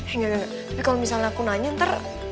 engga enga tapi kalau ini kalau misalnya aku nanya nanti